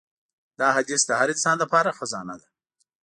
دا حدیث د هر انسان لپاره خزانه ده.